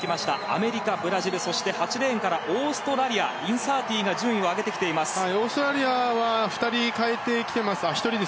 アメリカ、ブラジルそして、８レーンからオーストラリアインサーティがオーストラリアは１人代えてきています。